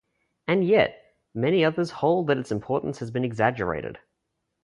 And yet, many others hold that its importance has been exaggerated.